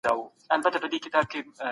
صنعت او کسب د پرمختګ لپاره اړین دي.